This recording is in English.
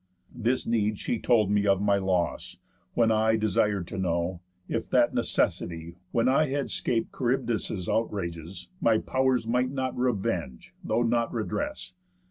This need she told me of my loss, when I Desir'd to know, if that Necessity, When I had 'scap'd Charybdis' outrages, My pow'rs might not revenge, though not redress?